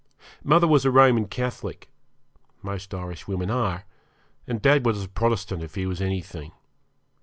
Mother was a Roman Catholic most Irishwomen are; and dad was a Protestant, if he was anything.